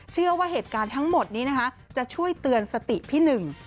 เชื่อว่าเหตุการณ์ทั้งหมดนี้นะคะจะช่วยเตือนสติพี่หนึ่ง